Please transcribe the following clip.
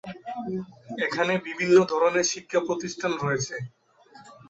এখানে বিভিন্ন ধরনের শিক্ষা প্রতিষ্ঠান রয়েছে।